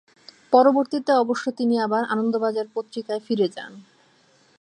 পরবর্তীতে অবশ্য তিনি আবার 'আনন্দবাজার পত্রিকা'য় ফিরে যান।